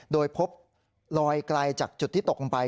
โดยพบลอยไกลจากจุดที่ตกลงไป